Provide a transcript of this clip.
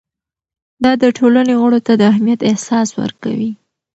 دا د ټولنې غړو ته د اهمیت احساس ورکوي.